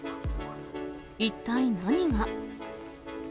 一体何が。